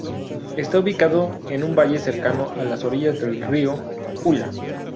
Está ubicado en un valle cercano a las orillas del río Ulla.